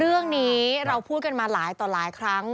เรื่องนี้เราพูดกันมาหลายต่อหลายครั้ง